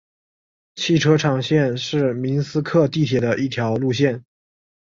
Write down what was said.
汽车厂线是明斯克地铁的一条路线。